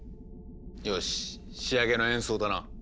よし仕上げの演奏だな。